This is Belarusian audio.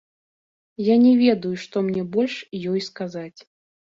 Я не ведаю, што мне больш ёй сказаць.